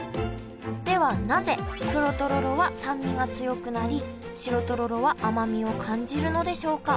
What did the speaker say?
ではなぜ黒とろろは酸味が強くなり白とろろは甘みを感じるのでしょうか？